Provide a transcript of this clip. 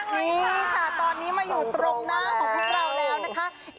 นี่ค่ะตอนนี้มาอยู่ตรงหน้าของพวกเราแล้วนะคะ